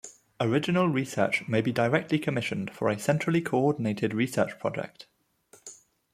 Original research may be directly commissioned for a centrally coordinated research project.